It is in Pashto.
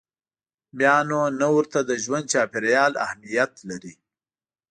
بیا نو نه ورته د ژوند چاپېریال اهمیت لري.